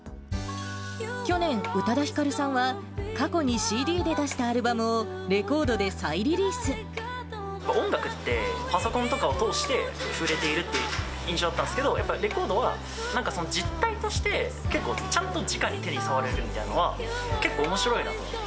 去年、宇多田ヒカルさんは、過去にＣＤで出したアルバムを、レコードで音楽って、パソコンとかを通して触れているっていう印象だったんですけど、やっぱりレコードは実体として結構、ちゃんとじかに手に触れるみたいなのは、結構おもしろいなと思って。